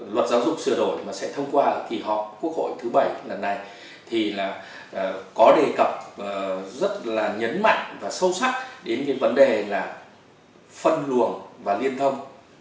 luật giáo dục sửa đổi mà sẽ thông qua kỳ họp quốc hội thứ bảy lần này thì là có đề cập rất là nhấn mạnh và sâu sắc đến cái vấn đề là phân luồng và liên thông